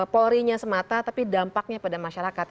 polri nya semata tapi dampaknya pada masyarakat